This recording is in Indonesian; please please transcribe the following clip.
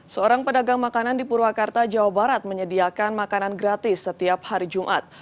seorang pedagang makanan di purwakarta jawa barat menyediakan makanan gratis setiap hari jumat